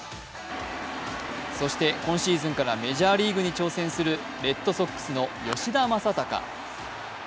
そして、今シーズンからメジャーリーグに挑戦するレッドソックスの吉田正尚。